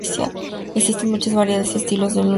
Existen muchas variedades y estilos de uso del mismo.